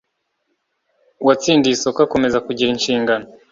Uwatsindiye isoko akomeza kugira inshingano